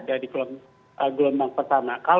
dan perketat tentang penggunaan